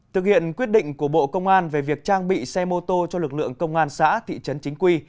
thực hiện quyết định của bộ công an về việc trang bị xe mô tô cho lực lượng công an xã thị trấn chính quy